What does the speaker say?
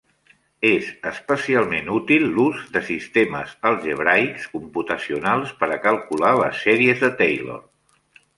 És especialment útil l'ús de sistemes algebraics computacionals per a calcular les sèries de Taylor.